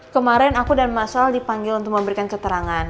kemaren aku dan mas halal dipanggil untuk memberikan keterangan